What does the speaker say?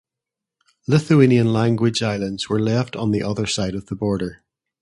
Lithuanian language islands were left on the other side of the border.